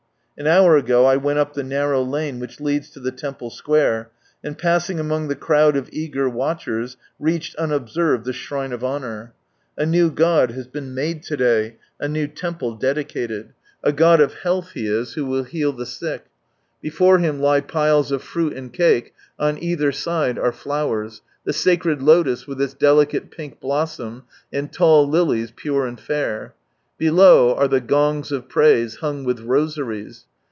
An hour ago I went up the narrow lane which leads to the Temple Srjuare, and passing among the crowd of eager watchers, reached unobserved the shrine of honour. A new god has been made to day, a new temple dedicated. A god of health he is, who will heal the sick. Before him lie piles of fruit and cake, on either side are flowers— the sacred Lotus, with its delicate pink blossom, and tall lilies, pure and fair. Below are the gongs of praise, hung with rosaries.